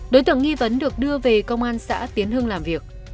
đối tượng nghi vấn được đưa về công an xã tiến hưng làm việc